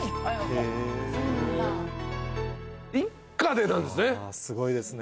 一家でなんですね。